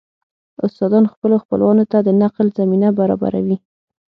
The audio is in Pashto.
استادان خپلو خپلوانو ته د نقل زمينه برابروي